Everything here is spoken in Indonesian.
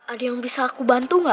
ada yang bisa aku bantu gak